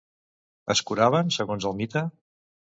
Es curaven, segons el mite?